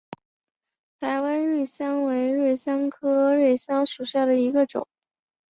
台湾瑞香为瑞香科瑞香属下的一个种。